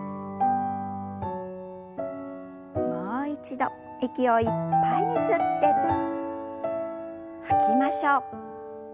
もう一度息をいっぱいに吸って吐きましょう。